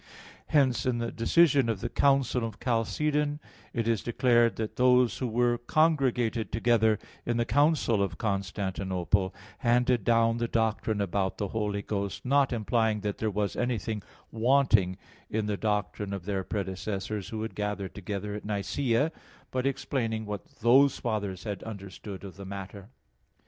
Hence in the decision of the council of Chalcedon it is declared that those who were congregated together in the council of Constantinople, handed down the doctrine about the Holy Ghost, not implying that there was anything wanting in the doctrine of their predecessors who had gathered together at Nicaea, but explaining what those fathers had understood of the matter.